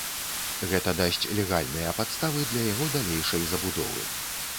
Гэта дасць легальныя падставы для яго далейшай забудовы.